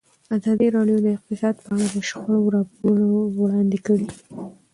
ازادي راډیو د اقتصاد په اړه د شخړو راپورونه وړاندې کړي.